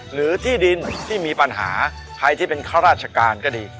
หรือที่ดินที่มีปัญหาใครที่เป็นข้าราชการก็ดี